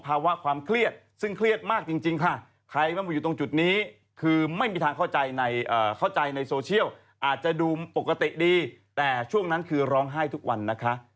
ภาวะความเครียดซึ่งเครียดมากจริงค่ะใครมาอยู่ตรงจุดนี้คือไม่มีทางเข้าใจเข้าใจในโซเชียลอาจจะดูปกติดีแต่ช่วงนั้นคือร้องไห้ทุกวันนะคะ